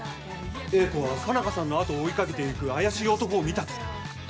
英子は佳奈花さんの後を追いかけていく怪しい男を見たと。